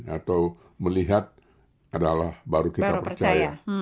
atau melihat adalah baru kita percaya